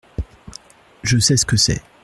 Je sais ce que c'est.